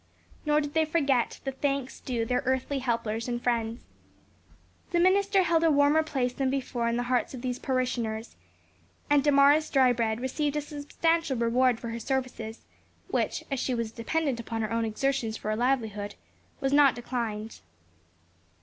Nor did they forget the thanks due their earthly helpers and friends. The minister held a warmer place than before in the hearts of these parishioners, and Damaris Drybread received a substantial reward for her services; which, as she was dependent upon her own exertions for a livelihood, was not declined.